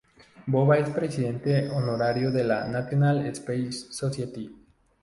Bova es presidente honorario de la National Space Society.